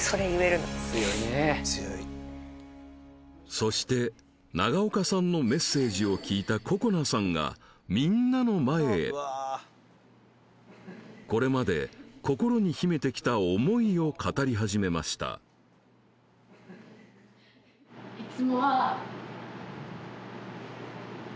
そして長岡さんのメッセージを聞いた心菜さんがみんなの前へこれまで心に秘めてきた思いを語り始めました以上？